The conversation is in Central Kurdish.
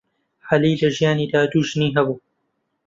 عەلی لە ژیانیدا دوو ژنی هەبوو.